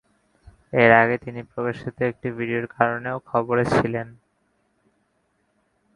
এর আগে, তিনি প্রকাশিত একটি ভিডিওর কারণেও খবরে ছিলেন।